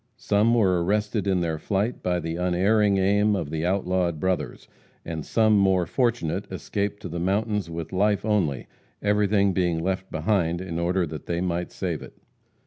Some were arrested in their flight by the unerring aim of the outlawed brothers; and some more fortunate escaped to the mountains with life only, everything being left behind in order that they might save it.